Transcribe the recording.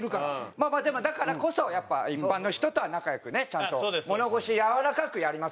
まあまあでもだからこそやっぱ一般の人とは仲良くねちゃんと物腰やわらかくやりますから僕は。